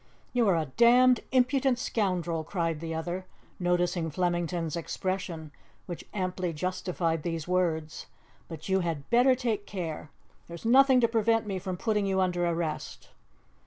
"You are a damned impudent scoundrel!" cried the other, noticing Flemington's expression, which amply justified these words, "but you had better take care! There is nothing to prevent me from putting you under arrest."